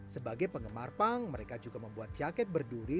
sebagai penggemar punk mereka juga membuat jaket berduri